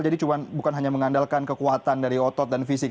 jadi bukan hanya mengandalkan kekuatan dari otot dan fisik